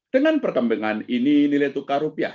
dengan perkembangan ini nilai tukar rupiah